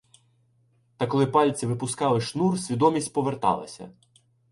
Та, коли пальці випускали шнур, свідомість поверталася.